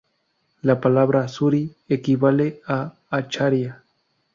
La palabra "Suri" equivale a acharia.